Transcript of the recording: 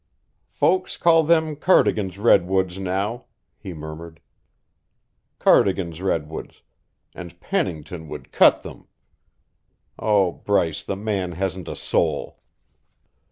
"Folks call them Cardigan's Redwoods now," he murmured. "Cardigan's Redwoods and Pennington would cut them! Oh, Bryce, the man hasn't a soul!"